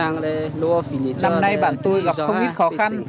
năm nay bản tôi gặp không ít khó khăn